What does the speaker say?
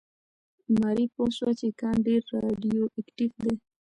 ماري پوه شوه چې کان ډېر راډیواکټیف دی.